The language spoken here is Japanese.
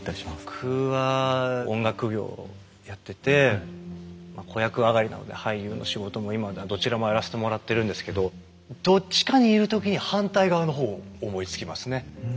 僕は音楽業やっててまあ子役上がりなので俳優の仕事も今ではどちらもやらしてもらってるんですけどどっちかにいる時に反対側の方を思いつきますね。